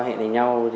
và gặp nhau